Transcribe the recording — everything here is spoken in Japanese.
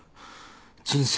人生